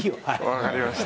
わかりました。